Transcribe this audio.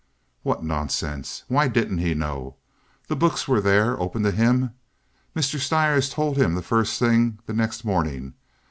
"What nonsense! Why didn't he know? The books were there, open to him. Mr. Stires told him the first thing the next morning.